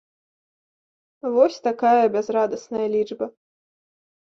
Вось такая бязрадасная лічба.